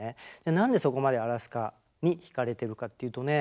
なんでそこまでアラスカにひかれてるかっていうとね